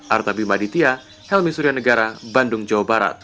artabi maditya helmi suryanegara bandung jawa barat